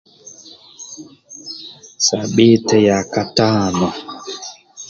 Sabbite ya katano